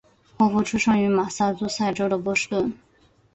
霍夫出生于马萨诸塞州的波士顿。